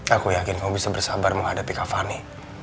aku yakin kamu bisa bersabar menghadapi kak fani